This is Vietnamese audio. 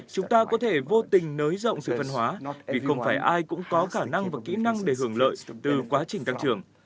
chúng ta có thể vô tình nới rộng sự phân hóa vì không phải ai cũng có khả năng và kỹ năng để hưởng lợi từ quá trình tăng trưởng